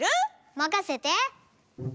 まかせて！